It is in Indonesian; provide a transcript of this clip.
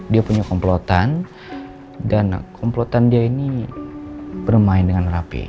dia punya komplotan dan komplotan dia ini bermain dengan rapi